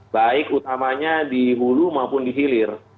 baik utamanya dihulu maupun dihilir